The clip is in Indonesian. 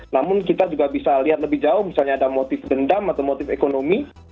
namun kita juga bisa lihat lebih jauh misalnya ada motif dendam atau motif ekonomi